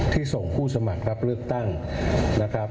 ส่งผู้สมัครรับเลือกตั้งนะครับ